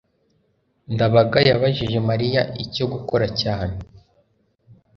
ndabaga yabajije mariya icyo gukora cyane